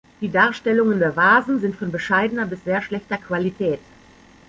Die Darstellungen der Vasen sind von bescheidener bis sehr schlechter Qualität.